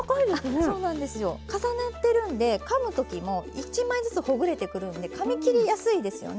重なってるんでかむ時も１枚ずつほぐれてくるんでかみ切りやすいですよね。